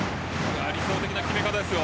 理想的な決め方ですよ。